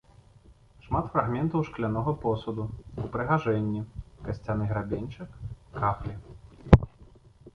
Шмат фрагментаў шклянога посуду, упрыгажэнні, касцяны грабеньчык, кафлі.